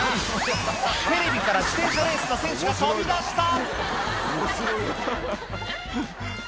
テレビから自転車レースの選手が飛び出した！